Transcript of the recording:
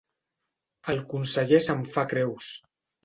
El conseller se'n fa creus.